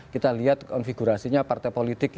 kita lihat konfigurasinya partai politik